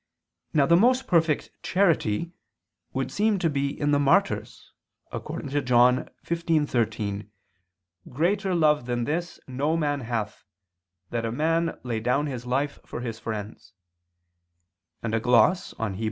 Now the most perfect charity would seem to be in the martyrs, according to John 15:13, "Greater love than this no man hath, that a man lay down his life for his friends": and a gloss on Heb.